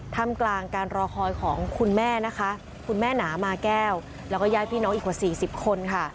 ทำกลางการรอคอยของคุณแม่นะคะคุณแม่หนามาแก้วแล้วก็ญาติพี่น้องอีกกว่า๔๐คนค่ะ